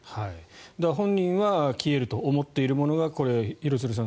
本人は消えると思っているものが廣津留さん